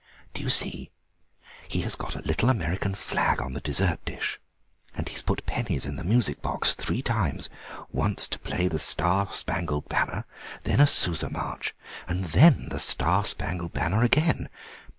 Do you see, he has got a little American flag on the dessert dish, and he has put pennies in the music box three times, once to play the 'Star spangled Banner,' then a Sousa march, and then the 'Star spangled Banner' again.